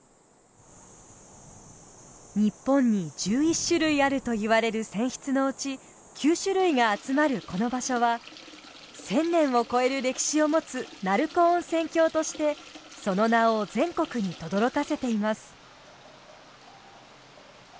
日本に１１種類あるといわれる泉質のうち９種類が集まるこの場所は１０００年を超える歴史を持つ鳴子温泉郷としてその名を全国にとどろかせています。